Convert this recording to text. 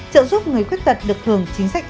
trợ giúp người khuyết tật được hưởng chính sách